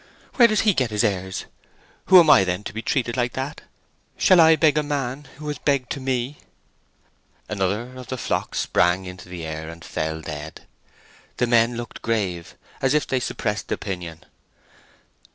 Where does he get his airs? Who am I, then, to be treated like that? Shall I beg to a man who has begged to me?" Another of the flock sprang into the air, and fell dead. The men looked grave, as if they suppressed opinion.